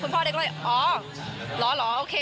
พ่อเด็กก็เลยอ๋อเหรอโอเค